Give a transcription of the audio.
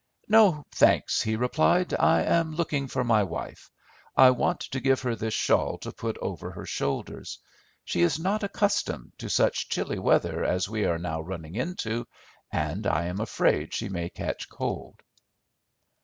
"No, thanks," he replied, "I am looking for my wife. I want to give her this shawl to put over her shoulders. She is not accustomed to such chilly weather as we are now running into, and I am afraid she may take cold."